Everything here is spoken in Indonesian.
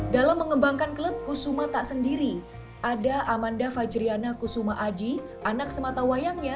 dalam mengembangkan klub kusuma tak sendiri ada amanda fajriana kusuma aji anak sematawayangnya